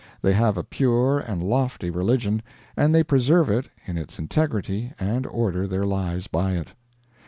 They have a pure and lofty religion, and they preserve it in its integrity and order their lives by it.